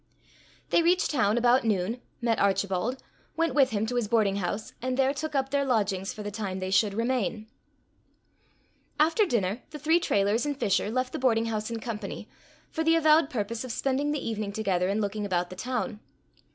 They reached town about noon, met Archibald, went with him to his boardinghouse, and there took up their lodgings for the time they should remain. After dinner, the three Trailors and Fisher left the boardinghouse in company, for the avowed purpose of spending the evening together in looking about the town.